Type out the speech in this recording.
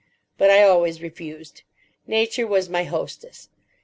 But I always refused. Nature was my hostess.